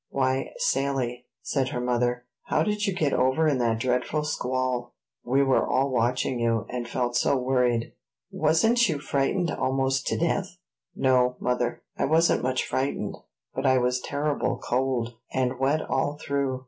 "Why, Sally," said her mother, "how did you get over in that dreadful squall? We were all watching you, and felt so worried! Wasn't you frightened almost to death?" "No, mother, I wasn't much frightened; but I was terrible cold, and wet all through.